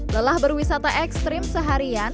lelah berwisata ekstrim seharian